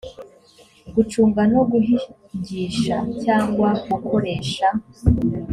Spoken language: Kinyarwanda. gucunga no guhingisha cyangwa gukoresha